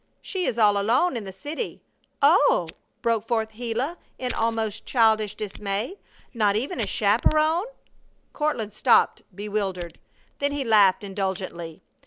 "She is all alone in the city " "Oh!" broke forth Gila in almost childish dismay. "Not even a chaperon?" Courtland stopped, bewildered. Then he laughed indulgently.